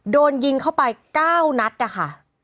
โดนยิงเข้าไป๙นัดนะคะ